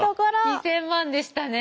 ２，０００万でしたね。